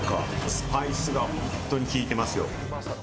スパイスが本当に効いてますよ。